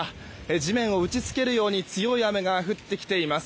地面を打ち付けるように強い雨が降ってきています。